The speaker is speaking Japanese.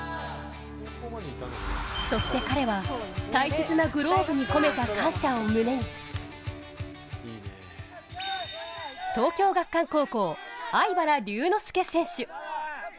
そして、彼は大切なグローブに込めた感謝を胸に東京学館高校、粟飯原龍之介選手。